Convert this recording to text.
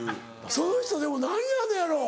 その人でも何やのやろう？